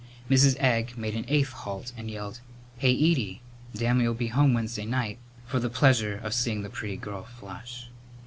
Mrs. Egg made an eighth halt and yelled, "Hey, Edie, Dammy'll be home Wednesday night," for the pleasure of seeing the pretty girl flush.